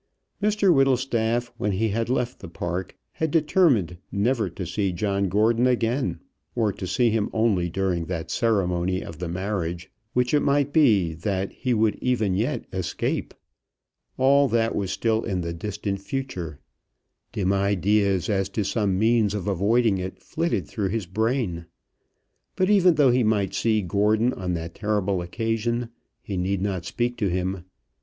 Mr Whittlestaff when he had left the park had determined never to see John Gordon again, or to see him only during that ceremony of the marriage, which it might be that he would even yet escape. All that was still in the distant future. Dim ideas as to some means of avoiding it flitted through his brain. But even though he might see Gordon on that terrible occasion, he need not speak to him.